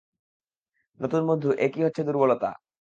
নতুন বন্ধু, একই তুচ্ছ দুর্বলতা।